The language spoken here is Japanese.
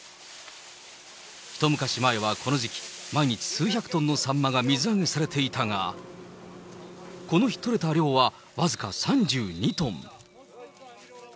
ひと昔前はこの時期、毎日数百トンのサンマが水揚げされていたが、この日とれた量は僅か３２トン。